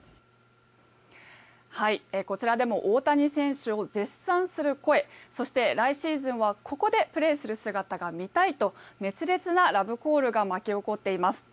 こちらでも大谷選手を絶賛する声そして、来シーズンはここでプレーする姿が見たいと熱烈なラブコールが巻き起こっています。